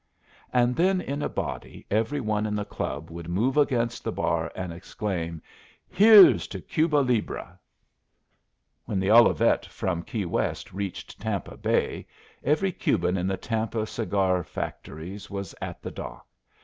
'" And then in a body every one in the club would move against the bar and exclaim: "Here's to Cuba libre!" When the Olivette from Key West reached Tampa Bay every Cuban in the Tampa cigar factories was at the dock.